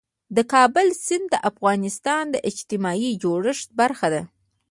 د کابل سیند د افغانستان د اجتماعي جوړښت برخه ده.